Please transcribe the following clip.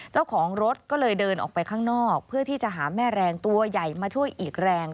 เจ้าของรถก็เลยเดินออกไปข้างนอกเพื่อที่จะหาแม่แรงตัวใหญ่มาช่วยอีกแรง